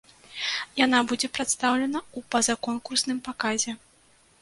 Яна будзе прадстаўлена ў пазаконкурсным паказе.